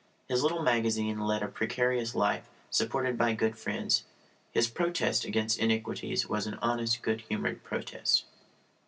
His little magazine led a precarious life, supported by good friends. His protest against iniquities was an honest, good humoured protest.